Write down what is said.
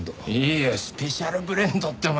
いやスペシャルブレンドってお前。